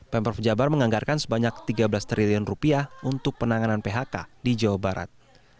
pemprov jabar menganggarkan sebanyak tiga belas triliun rupiah untuk penanganan phk di jawa barat